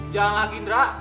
jalan lagi ndra